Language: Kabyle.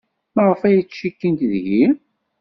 Maɣef ay ttcikkint deg-i?